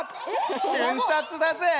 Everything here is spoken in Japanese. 瞬殺だぜ！